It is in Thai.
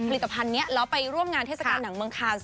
ผลิตภัณฑ์นี้แล้วไปร่วมงานเทศกาลหนังเมืองคานส